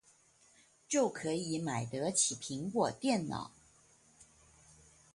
就可以買得起蘋果電腦